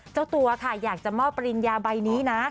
เจ้าตัวค่ะอยากจะมอบปริญญาใบนี้นะ